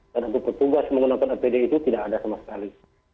dan untuk petugas menggunakan apd itu tidak ada sama sekali